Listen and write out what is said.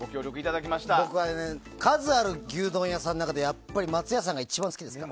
数ある牛丼屋さんの中で松屋さんが一番好きです。